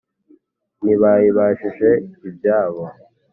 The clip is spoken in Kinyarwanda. ntibayibajije ibyabo